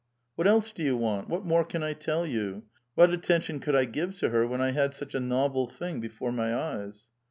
'' What else do yon want? What more can I tell you? What attention could I give to her when 1 had such a novel thing before my eyes